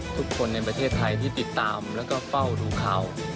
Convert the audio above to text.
ทุกคนในประเทศไทยที่ติดตามและเพาดูข่าวหมอย๙๐ล้านมาตลอด